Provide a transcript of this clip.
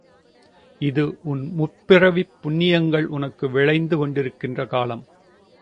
இது உன் முற்பிறவிப் புண்ணியங்கள் உனக்கு விளைந்து கொண்டிருக்கின்ற காலம்.